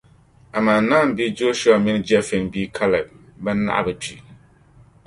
Amaa Nan bia Jɔshua mini Jɛfune bia Kalɛb bɛn naɣi bi kpi.